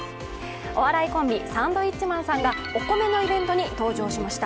お笑いコンビサンドウィッチマンさんがお米のイベントに登場しました。